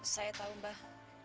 saya tahu mbah